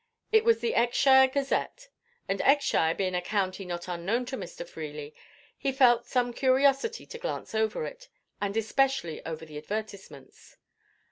It was the X shire Gazette, and X shire being a county not unknown to Mr. Freely, he felt some curiosity to glance over it, and especially over the advertisements.